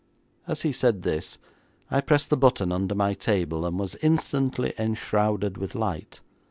As he said this, I pressed the button under my table, and was instantly enshrouded with light.